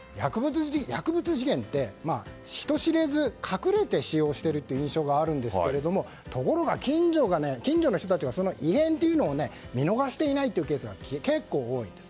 薬物事件って人知れず隠れて使用している印象があるんですがところが、近所の人たちはその異変というのを見逃していないケースが結構、多いんです。